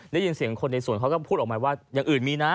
ได้ยินเสียงคนในส่วนเขาก็พูดออกมาว่าอย่างอื่นมีนะ